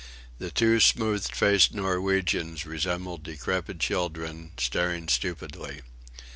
The two smooth faced Norwegians resembled decrepit children, staring stupidly.